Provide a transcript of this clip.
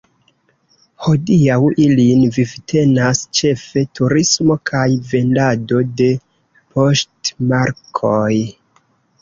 Hodiaŭ ilin vivtenas ĉefe turismo kaj vendado de poŝtmarkoj.